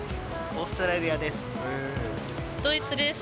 オーストラリアです。